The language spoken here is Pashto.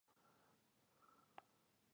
ټرمپ وویل، زه ویاړم چې د سولې لپاره هڅې کوم.